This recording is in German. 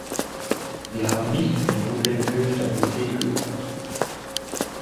Sie haben nicht für die notwendige Stabilität gesorgt.